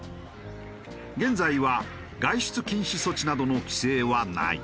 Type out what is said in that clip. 現在は外出禁止措置などの規制はない。